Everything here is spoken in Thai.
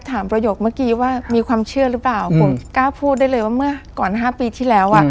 ถ้าพูดได้เลยว่าเมื่อก่อน๕ปีที่แล้ว